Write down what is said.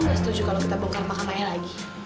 om sudah setuju kalau kita bongkar makam lain lagi